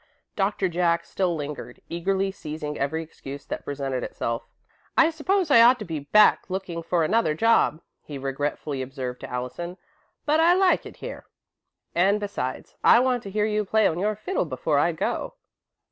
Doctor Jack still lingered, eagerly seizing every excuse that presented itself. "I suppose I ought to be back looking for another job," he regretfully observed to Allison, "but I like it here, and besides, I want to hear you play on your fiddle before I go."